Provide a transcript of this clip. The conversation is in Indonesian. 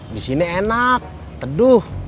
di sini enak teduh